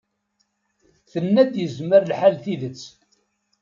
Tenna-d yezmer lḥal tidet.